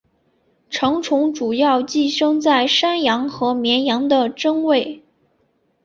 成虫主要寄生在山羊和绵羊的真胃。